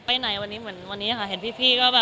เพาะว่าชุดไทยเป็นรสละ